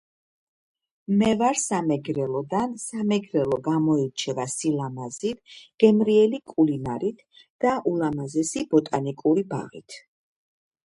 მე ვარ სამეგრელოდან სამეგრელო გამოირჩევა სილამაზით, გემრიელი კულინარით, და ულამაზესი ბოტანიკური ბაღით.